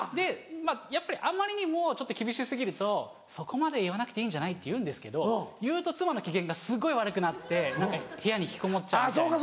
やっぱりあまりにもちょっと厳し過ぎると「そこまで言わなくていいんじゃない？」って言うんですけど言うと妻の機嫌がすごい悪くなって部屋に引きこもっちゃうみたいな。